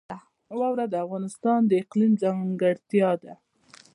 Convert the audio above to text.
واوره د افغانستان د اقلیم ځانګړتیا ده.